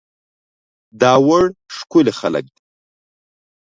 داوړ ښکلي خلک دي